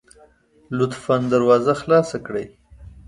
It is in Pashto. لطفا دروازه خلاصه کړئ